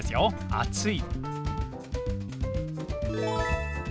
「暑い」。